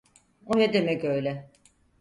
O ne demek öyle?